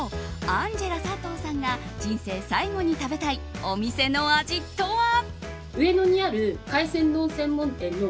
アンジェラ佐藤さんが人生最後に食べたいお店の味とは。